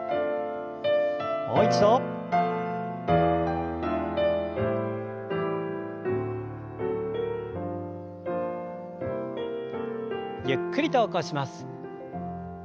もう一度。ゆっくりと起こします。